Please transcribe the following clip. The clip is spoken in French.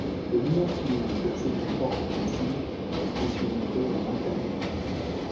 Le mur-pignon est percé d'une porte en plein cintre et surmonté d'un lanternon.